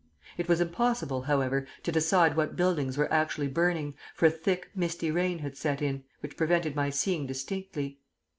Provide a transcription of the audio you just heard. It was impossible, however, to decide what buildings were actually burning, for a thick, misty rain had set in, which prevented my seeing distinctly.